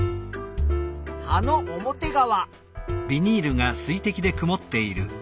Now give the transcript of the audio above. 葉の表側。